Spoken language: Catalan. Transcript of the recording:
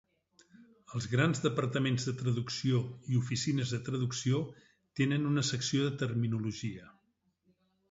Els grans departaments de traducció i oficines de traducció tenen una secció de "Terminologia".